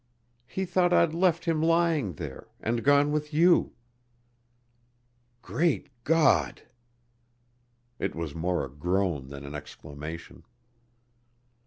He thought I'd left him lying there and gone with you." "Great God!" It was more a groan than an exclamation.